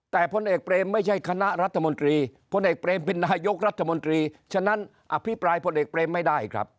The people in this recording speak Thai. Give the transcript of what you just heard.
แต่พลเอกเปรมไม่ใช่คณะรัฐมนตรีพลเอกเปรมเป็นนายกรัฐมนตรีฉะนั้นอภิปรายพลเอกเบรมไม่ได้ครับ